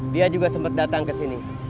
dia juga sempat datang kesini